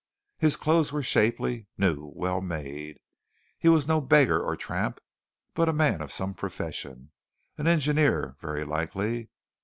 His clothes were shapely, new, well made. He was no beggar or tramp, but a man of some profession an engineer, very likely.